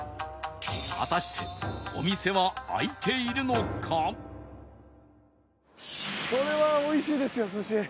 果たしてこれは美味しいですよ寿司。